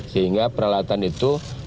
sehingga peralatan itu